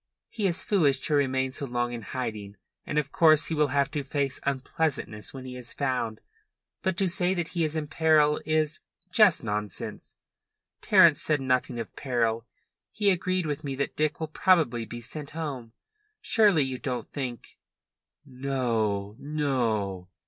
"He is foolish to remain so long in hiding, and of course he will have to face unpleasantness when he is found. But to say that he is in peril is... just nonsense. Terence said nothing of peril. He agreed with me that Dick will probably be sent home. Surely you don't think " "No, no."